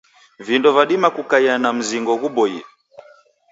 Vindo vadima kukaia na mzingo ghuboie.